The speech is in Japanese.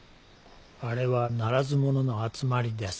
あれはならず者の集まりです。